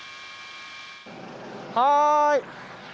はい。